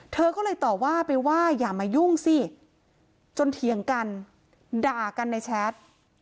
เธอก็เลยต่อว่าไปว่าอย่ามายุ่งสิจนเถียงกันด่ากันในแชท